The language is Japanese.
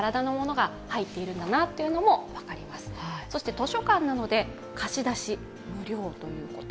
図書館なので、貸し出し無料ということ。